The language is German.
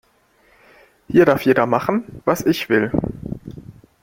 Hier darf jeder machen, was ich will.